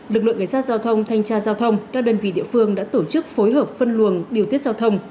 lực lượng cảnh sát giao thông thanh tra giao thông các đơn vị địa phương đã tổ chức phối hợp phân luồng điều tiết giao thông